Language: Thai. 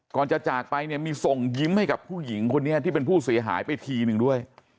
ก่อนจะจากไปเนี่ยมีส่งยิ้มให้กับผู้หญิงคนนี้ที่เป็นผู้เสียหายไปทีนึงด้วย